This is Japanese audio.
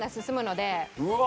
うわ！